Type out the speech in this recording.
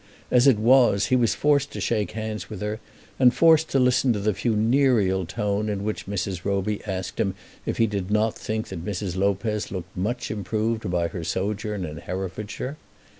As it was he was forced to shake hands with her, and forced to listen to the funereal tone in which Mrs. Roby asked him if he did not think that Mrs. Lopez looked much improved by her sojourn in Herefordshire.